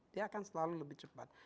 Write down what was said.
dia akan selalu lebih cepat